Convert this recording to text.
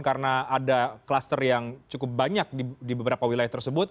karena ada cluster yang cukup banyak di beberapa wilayah tersebut